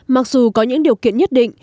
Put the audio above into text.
mặc dù có những điều kiện nhất định